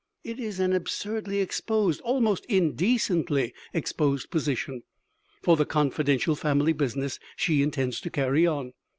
It is an absurdly exposed, almost indecently exposed position, for the confidential family business she intends to carry on.